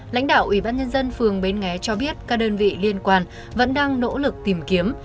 lãnh đạo ủy ban nhân dân phường bến nghé cho biết các đơn vị liên quan vẫn đang nỗ lực tìm kiếm